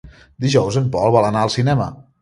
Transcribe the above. Dijous en Pol vol anar al cinema.